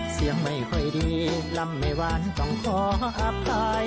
เสียงไม่ค่อยดีลำในวันต้องขออภัย